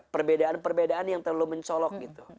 perbedaan perbedaan yang terlalu mencolok gitu